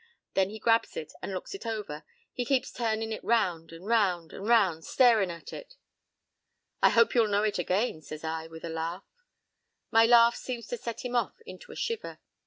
p> "Then he grabs it and looks it over. He keeps turnin' it round and round and round, starin' at it. "'I hope you'll know it again,' says I, with a laugh. "My laugh seems to set him off into a shiver.